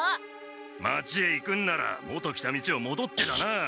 町へ行くんなら元来た道をもどってだな。